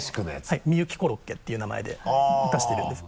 はい「ミユキコロッケ」ていう名前で出してるんです。